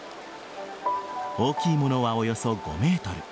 大きいものはおよそ５ｍ。